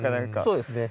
そうですね。